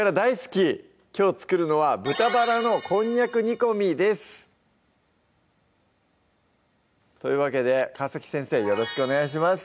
きょう作るのは豚バラのこんにゃく煮込みですというわけで川先生よろしくお願いします